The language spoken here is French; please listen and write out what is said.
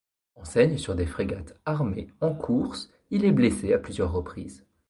Enseigne sur des frégates armées en course, il est blessé à plusieurs reprises.